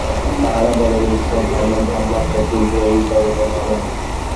তাঁহারা বলেন, ঈশ্বর-ধারণা ভ্রমাত্মক, কিন্তু এই জগতের ধারণা সত্য।